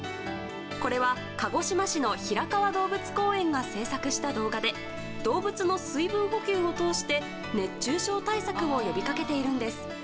これは鹿児島市の平川動物公園が制作した動画で動物の水分補給を通して熱中症対策を呼びかけているんです。